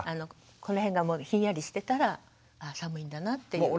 この辺がひんやりしてたらあ寒いんだなっていう。